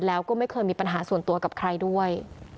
แล้วก็ไม่เคยมีปัญหาส่วนตัวกับใครด้วย